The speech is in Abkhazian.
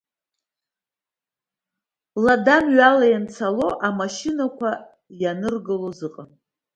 Лада-мҩала ианцало амашьынақәа ианыргалоз ыҟан.